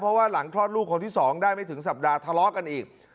เพราะว่าหลังคลอดลูกคนที่๒ได้ไม่ถึงสัปดาห์ทะเลาะกันอีก